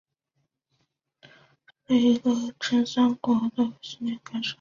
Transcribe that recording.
是一个真三国无双系列的砍杀游戏。